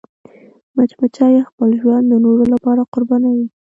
مچمچۍ خپل ژوند د نورو لپاره قربانوي